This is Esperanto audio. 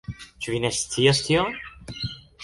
Ĉu vi ne scias tion?